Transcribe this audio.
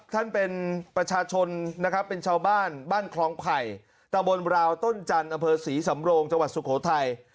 ท่านเป็นประชาชนนะครับเป็นชาวบ้านบ้านคลองไผ่ตะบนราวต้นจันทร์อำเภอศรีสำโรงจังหวัดสุโขทัย